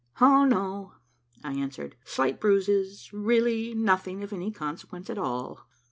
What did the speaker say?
"Oh, no," I answered. "Slight bruises, really nothing of any consequence at all."